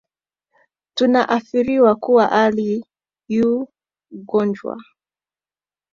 Tunaarifiwa kuwa Ali yu n’gonjwa